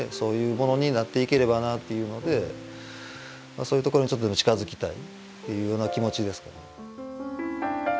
そういうところにちょっとでも近づきたいというような気持ちですかね。